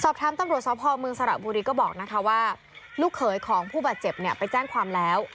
สอบถามตำรวจสภเมืองสระบุรีก็บอกว่าลูกเคยของผู้บาดเจ็บไปแจ้งความแล้ว